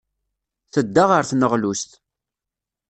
Tedda ɣer tneɣlust.